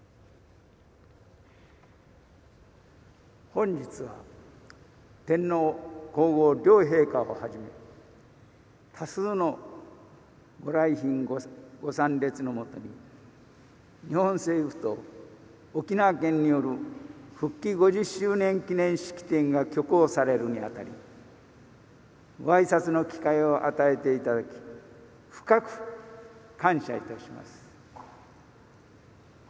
本日は天皇皇后両陛下をはじめ多数の御来賓御参列のもとに日本政府と沖縄県による「復帰５０周年記念式典」が挙行されるにあたり御挨拶の機会を与えていただき深く感謝いたします。